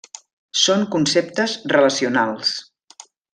Són conceptes relacionals.